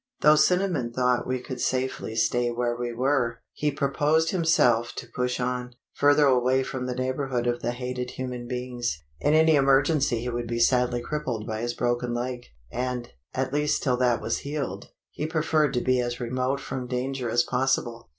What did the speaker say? Though Cinnamon thought we could safely stay where we were, he proposed himself to push on, further away from the neighbourhood of the hated human beings. In any emergency he would be sadly crippled by his broken leg, and at least till that was healed he preferred to be as remote from danger as possible.